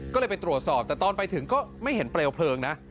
ก็เลยไปตรวจสอบแต่ตอนไปถึงก็ไม่เห็นเปลวเพลิงนะ